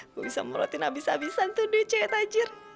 gue bisa merotin abis abisan tuh dia cewek tajir